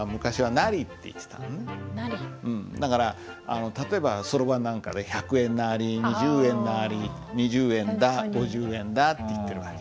だから例えばそろばんなんかで「百円なり二十円なり」「二十円だ五十円だ」って言ってる訳。